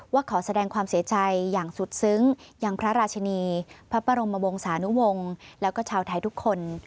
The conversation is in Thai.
ขอแสดงความเสียใจอย่างสุดซึ้งอย่างพระราชินีพระบรมวงศานุวงศ์แล้วก็ชาวไทยทุกคน